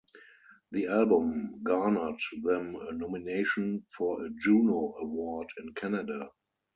The album garnered them a nomination for a Juno Award in Canada.